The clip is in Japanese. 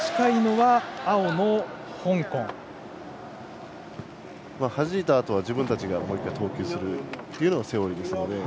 はじいたあとは自分たちがもう１回投球するのがセオリーですので。